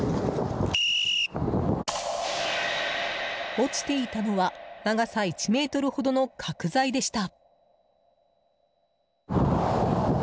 落ちていたのは長さ１ｍほどの角材でした。